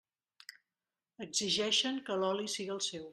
Exigeixen que l'oli siga el seu.